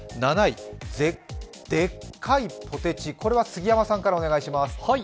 ７位、でっかいポテチ、これは杉山さんからお願いします。